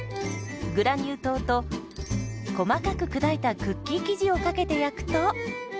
グラニュー糖と細かく砕いたクッキー生地をかけて焼くと。